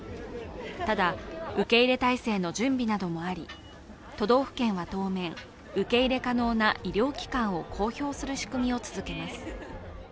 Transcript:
ただ、受け入れ態勢の準備などがあり、都道府県は当面、受け入れ可能な医療機関を公表する仕組みを続けます。